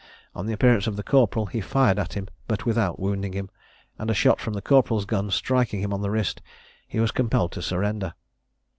On the appearance of the corporal he fired at him, but without wounding him; and a shot from the corporal's gun striking him on the wrist, he was compelled to surrender.